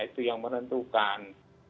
itu yang menentukan